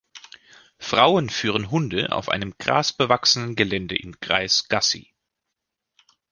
Frauen führen Hunde auf einem grasbewachsenen Gelände im Kreis Gassi